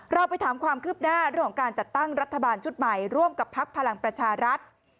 เราไปถามความคืบหน้าเรื่องของการจัดตั้งรัฐบาลชุดใหม่ร่วมกับพักพลังประชารัฐ